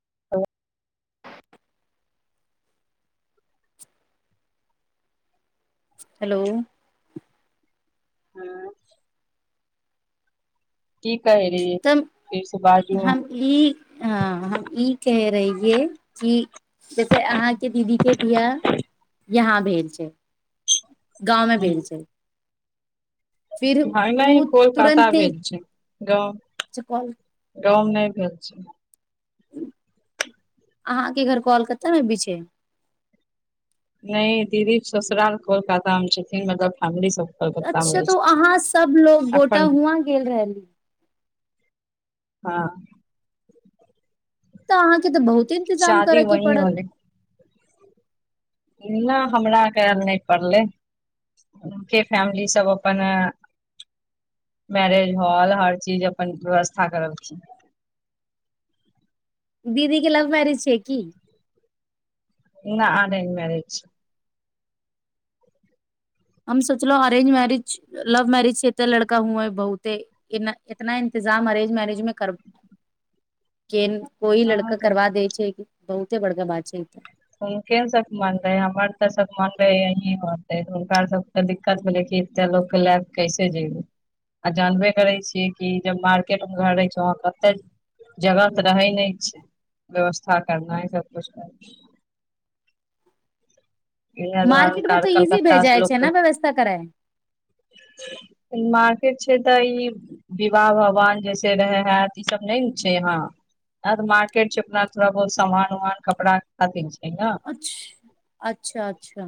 [unintelligible] [unintelligible] Hello हँ की कहे रहिए तऽ फेर स बाजू [unintelligible] हम ई हां हम ई कहे रहियै कि से तऽ अहाँके दीदी के बिआह यहाँ भेल छै। गाँवमे भेल छै। फिर हं नै उ कोलकाता तुरन्ते भेल छै गाँव कॉल गाँव में नै भेल छै। अहाँके घर कोलकत्ता मे भी छै? नै दीदी के ससुराल कोलकाता मे छथिन मतलब फैमिली सब कोलकाता मे अच्छा रहै तो छथिन अहाँ सब लोग गोटा अपन हुआं गेल रहली। हां तऽ अहाँके तऽ बहुते इन्तजाम शादी करके वही पड़त। ना हमरा करल नै पड़लै। हुनके फैमिली सब अपन अ मैरेज हॉल हर चीज अपन व्यवस्था करलखिन। दीदी के लव मैरिज छै की? ना अरेंज मैरेज छै। हम सोचलौं अरेंज मैरिज लव मैरिज छै तऽ लड़का उमर बहुते केना केतना इन्तजाम अरेंज मैरेज मे कर [unintelligible] केन कोइ हँ लड़का तऽ करबा दै छै बहुते बड़का बात छैऽ। हुनके सब के मन रहै हमर तऽ सब मन रहैय यहीं होतै हुनका सब तऽ दिक्कत भेलै कि एते लोक के लए क कैसे जैबो? आ जानबे करै छियै कि जब मार्केट मे घर रहै छै वहां कते जगह तऽ रहै नहि छै व्यवस्था करनाइ सभकुछ करनाइ इहै दुआरे हम मार्केट मे कार तऽ इजी भए कलकत्ता स जाइ लोक छै के ने व्यवस्था कराय ई मार्केट छै तऽ ई विवाह भवान जैसे रहे है त ई सब नै ने छै यहाँ। अत मार्केट छै अपना थोड़ा बहुत सामान उमान कपड़ा खातिर छै न छ अच्छा अच्छा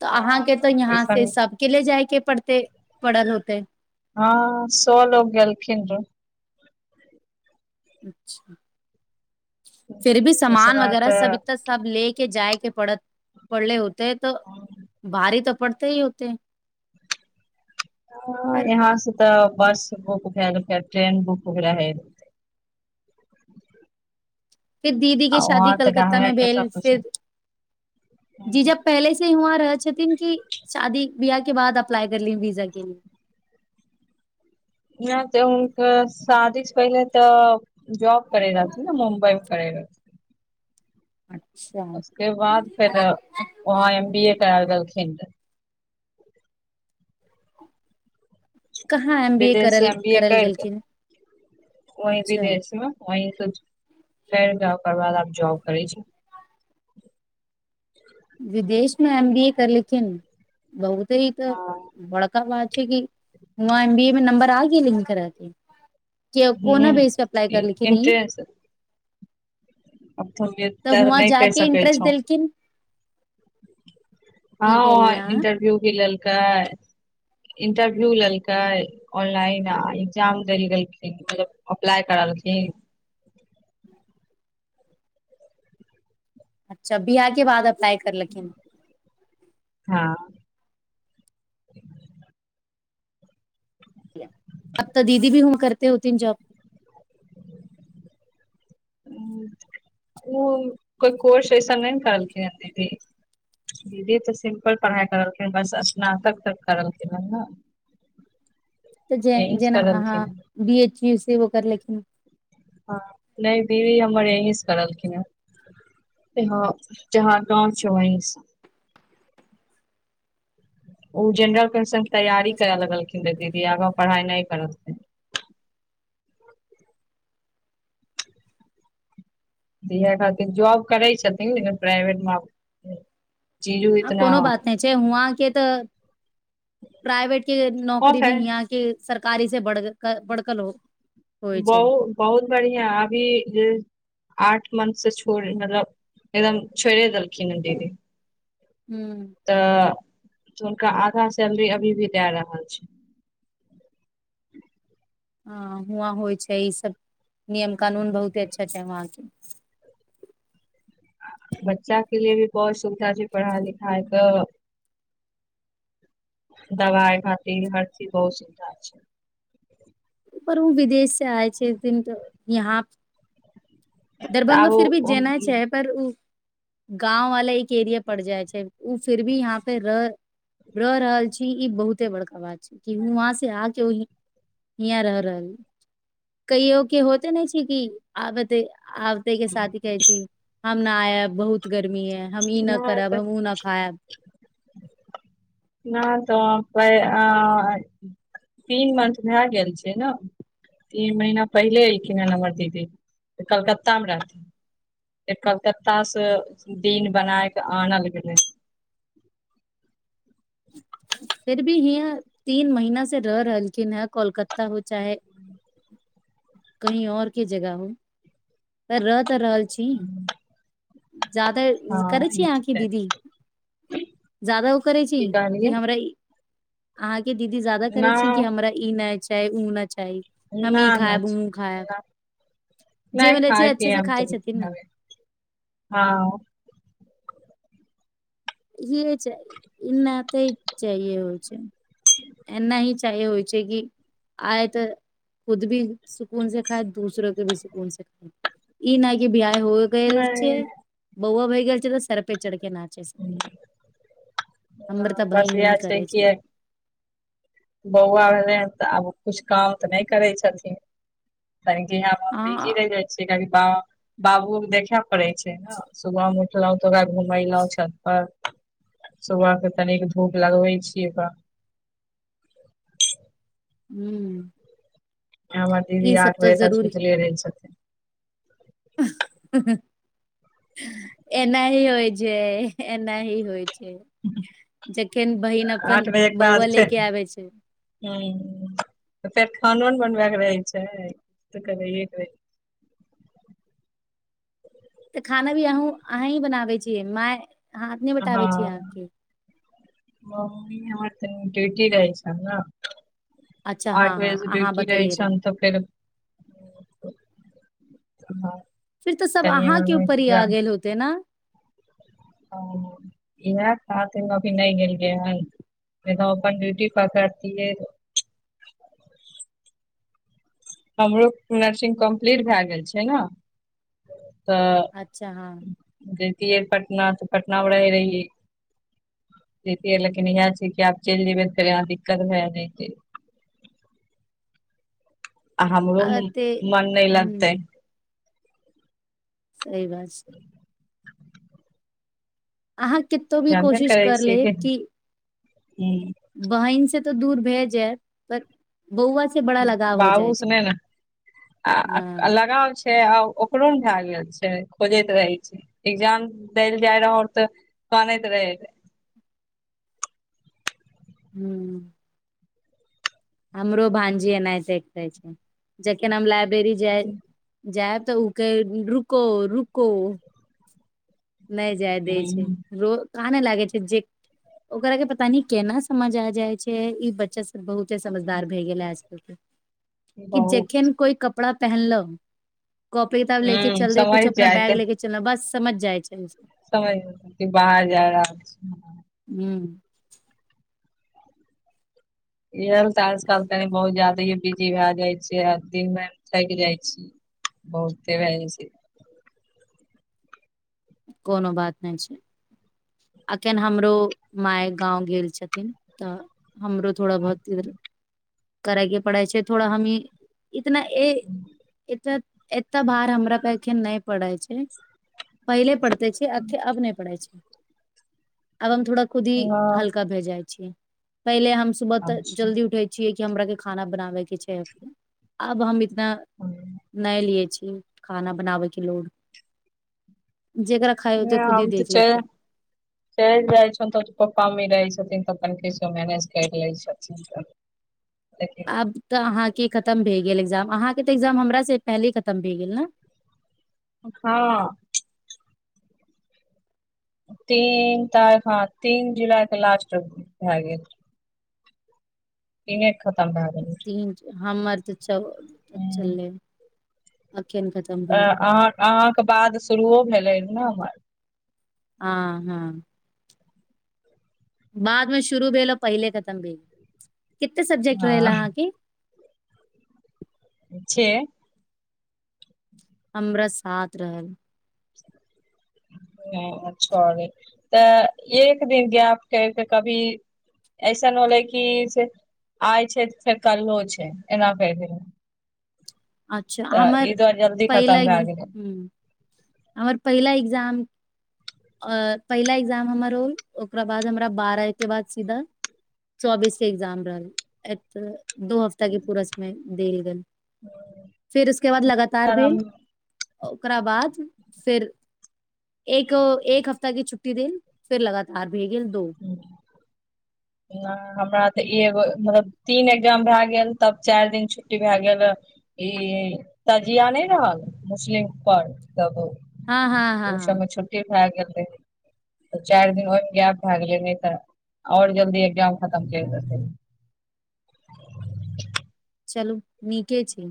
तऽ हँ अहाँके तऽ यहाँ ऐसन से सब के ले जायके पड़तै परल होतइ। हँ सौ लोग गेलखिन र। अच्छा फिर भी सामान उसमे वगैरह सब तऽ ईतस सब ले के जायके पड़त पड़ले होतै तऽ भारी तऽ पड़ते ही होतय। हं पर यहाँ से तऽ बस बुक भेल फेर ट्रेन बुक रहै। फिर दीदी आ के शादी वहां तऽ कलकत्ता रहबे मे के भेल सब कुछी फिर जीजा पहले से हुआं रहै छथिन, कि शादी बियाह के बाद अप्लाई कर लीं वीजा के लिए। नै से हुंनकर शादीस पहिले तऽ जॉब करै रहथि न मुम्बइ करै रहथीन। अच्छा ओए के बाद फेर वहाँ एम बी ए करा के देलखिन रह कहाँ एम बी ए बिदेश से करल एम बी ए करल कर गेलखिन ओंहि अच्छा बिदेशमे [unintelligible] जॉब करै छी बिदेश मे एम बी ए करलखिन बहुत ही तऽ हँ बड़क बरका बात छै की वहाँ एम बी ए मे नंबर आगेलै हुनकरा के कीयौ कोना बेस प अप्लाई ह करलखिन ई इंट्रेंस अब हम तऽ एते नहि कहि हुंवाजाके सकै इंटरेस्ट छौ देलखिन की कहलियै हँ अहाँ इंटरव्यू भी लेलकै। इंटरव्यू लेलकै ऑनलाइन आ इग्जाम देल गेलखिन मतलब अप्लाइ करलखिन। अच्छा बीयाह के बाद अप्लाइ करलखिन हँ अब तऽ दीदी भी हुं करते होथीन जॉब ओ कोइ कोर्स ऐसन नहि ने करलखिन ह दीदी दीदी तऽ सिम्पल पढ़ाइ करलखिन बस स्नातक त करलखिन हन ना तऽ जे से जेना अहाँ करलखिन हन बी एच यू सेहो करलखिन हँ नै दीदी हमर यहीं से करलखिन हेँ हं जहाँ गाँंव छय वहीं स ओ जेनरल कंसंट के तैयारी करे लगलखिन दीदी आगा पढ़ाइ नै करलखिन दीहै खातिर जॉब करै छथिन लेकीन प्राइवेटमे आब नइ हाँ कोनो बात नहि छै, हुआँ के तऽ प्राइवेट के ऑफ नौकरी है भी हिंयांके सरकारी से बढ़ बढ़क लो बहु- बहुत बढ़िआँ अभी जे आठ मंथ से छोड़ मतलब एकदम छोइड़े देलखिन ह दीदी हूँ तऽ हुनका आधा सैलरी अभी भी दए रहल छैन हं हुवां होइ छै ई सब नियम कानून बहुते अच्छा छै उहां के। बच्चा के लिए भी बहुत सुविधा छै पढ़ाइ लिखाइ क दवाइ भाति हर चीज बहुत सुविधा छै। पर उ विदेश से आएल छथिन त इहाँ दरभंगा आब फिर भी जेनाइ छे, पर उ गाँंव वाला एक एरिया पड़ जाइ छै उह फिर भी यहाँ पे रह रह रहल छी ई बहुते बड़का बात की हुंवा से आके उ हिंय हियाँ रह रहल कहियो के होइते नै छै कि आबते आब ता के साथ ही कहै छै हम न आयब बहुत गर्मी ऐ हम ई ना करब हम उ न खायब ना ता पैआ तीन मंथ भए गेल छै न। तीन महीना पहिले अयलखिन ने हमर दीदी, कलकत्ता मे रहथिन। फेर कलकत्ता से दिन बनाय के, आनल गेलैन। फिर भी यहाँ तीन महिना से रह रहलखिन हें, कोलकत्ता हो चाहे कही और के जगह हुवे, पर रहि तऽ रहल छी। जादा हँ करै छी ई अहाँ कि तऽ दीदी, जादा ओ करै छी। की कहलियै कि हमरा अहाँके दीदी जादा ना करै छथिन, कि हमरा ई नहि चाही, उ नहि चाही। हम ना इ ना खायब, हम उ खायब। जे नहि बनै छै, अच्छे खायके से हम त खाइ छथिन ने। हवे। हँ। इहे एना त चाहि होइ छै। [unintelligible] एना ही चाहे होइ छै कि। आए तऽ खुद सुकून से खाय, आ दोसरो के सुकून से खाय। ई नहि कि बियाह होई गेल छै, नहि बौआ भ गेल छै, तऽ सर पे चढ़िके न अच्छे से, हमर तऽ बहिन बस इएह मिल के छै रहै कि छथि। बौआ भेलै हन तऽ आब किछ काम तऽ नहि करै छथिन, तनि के यहाँ हँ बिजी रहि जाइ छियै, किया की बाबूओ के देखय पड़ै छै ने। सुबह मे उठलहु तऽ घुमेलहु छत पर। सुबह के तनिक धूप लगबै छीयै त। [inaudible] हू। और हमर दीदी आठ बजे तक जरूरी सुतले रहै छथिन। [inaudible] एनाही होइ छै, एनाही होइ छै। जखन बहिन अपन बौआ ल‌ऽके आबै छै। हूॅं त फेर खानो ने बनबय के रहै छै। त तनि लेट भ तऽ खाना भी अहू अहीं बनाबै छियै माय। हाथ नहि बटाबै छी हँ, अहाँके मम्मी हमर तनी ड्यूटी रहइ छनि ने। अच्छा हँ आठ हँ बजे से अहाँ ड्यूटी रहै बतेले रहे छनि तऽ, फेर हँ [unintelligible] फेर तऽ सब तनी हमर अहाँके ऊपर भैतिजा आबि गेल हेतै ने। इहे कातिक मे नहि गेलियै हन। फेर नब में अपन डयूटी पकरतियै। हमरो नर्सिंग कम्प्लीट भए गेल छै ने। तऽ अच्छा हँ जैतियै पटना, तऽ पटनामे रहैत रहियै। जैतियै, लेकिन इएह छै कि आब चलि जयबै तऽ, फेर इहाँ दिक्कत भए जयतैक। आ हमरो आ ते मोन नहि ह लगतैय। सही बात छै। अहाँ कतो भी जानबे कोशिश कर लेब कि? हुँ। बहिन से तऽ दूर भे जायत, पर बौआ से बड़ा लगाव हो जाइ बाबूस छै नहि ने, हँ लगाव छै आ ओ ओकरो ने [unintelligible] छै खोजैत रहे छी। एग्जाम देल जाय रह तऽ, कानैत रहै। हू। हमरो भंजी एनाइ देखै छै जखन हम लाइब्रेरी जाय जायब तऽ उ कैए रुको रुको। नहि जाय दै छै हूँ रोज काना लागै छै जे ओकरा के पता नइ केना समझ आ जाय छै ई बच्चा सब बहुते समझदार भए गेल है आजकल के कि बहुत जखन कोइ क कपड़ा पहनलो कॉपी किताब ले के हूँ चल दे कुछ समझि अपना जायत बैग ले के बस समझ जाइ छै। समैझ गेलखिन की बाहर जा रहल छै। हू इहल टास कल कनि बहुत जादेए बिजी भऽए जाइ छै। से हदी मे हम सहै जाइ छी बहुते भऽ जाइ छै। कोनो बात नहि छै। अखन हमरो माय गाँव गेल छथिन तऽ हमरो थोड़ा बहुत इधर करैके पड़ै छै थोड़ा हमी इतना ए एतऽ एते भार हमरा पे एखन नहि पड़ै छै। पहिले पड़ते छी आखे अब नहि पडै़ छै आब हम थोड़ा खुद ही हँ हल्का भे जाइ छी पहिले हम सुबह तऽ अच्छा जल्दी उठै छियै की हमरा के खाना बनाबे के छै आब हम ना नहि नहि लिय छी खाना बनाबैके लोड। जेकरा खाय होतै खुद ही हम तऽ देख लेतै। चलि चलि जाइ छौन तऽ पप्पा मम्मी रहै छथिन तऽ अपन ठीक सँ मैनेज कैर लै छथिन। ह [inaudible] आब तऽ अहाँके खतम भए गेल एग्जाम अहाँके तऽ एग्जाम हमर से पहिले खतम भए गेल ने। हँ। तीन तारफा तीन जुलाईके लास्ट भए गेल। ईने खतम भऽ गेलै। तीन हमर तऽ चौ हँ चलै अखेन क तऽ अह अहाँके बाद शुरुओ भेलै ने हमर। आँ हँ। बाद मे शुरू भेलए पहिले खतम भेल कते सब्जेक्ट रहेल हँ अहाँके? छै हमरा सात रहै। [inaudible] हेन सअर रहै तऽ एक दिन गेप करिक कभी। ऐसन होलै कि से आइ छै त फेर कलहो छै एना भेल गेलै। अच्छा तऽ हमर ई दुआरे जल्दी पहिला खतम भए गेलै। ह हमर पहिला एग्जाम अ पहिला एग्जाम हमर होल ओकरा बाद हमरा बारह के बाद सीधा चौबीस के एग्जाम रहल एक दो हफ्ता के पूरा समय देल गेल। फेर उसके बाद लगातार सर हम भेल ओकरा बाद फेर को एक हफ्ता के छुट्टी देल फेर लगातार भए गेल दो। हु। ना हमरा तऽ एगो मतलब तीन एग्जाम भए गेल तब चारि दिन छुट्टी भए गेल। ई तजिया नहि रहल मुस्लिम पर तब ओ हँ हँ हँ ओम हँ सबमे छोट छ भए गेल रहै, चारि दिन ओहिमे गैप भए गेलै, नहि तऽ आओर जल्दी एग्जाम खतम कर देते। चलू नीके छै।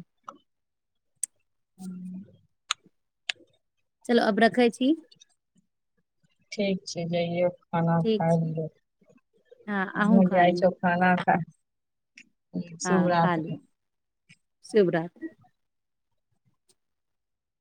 ह। चलू अब रखै छी। ठीक छै, जइयौ खाना ठीक खाय छै हँ अहूँ लियौ, खा जाइ लू छ खाना खा हँ खाली, शुभरात्रि!